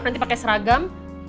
nanti pake seragam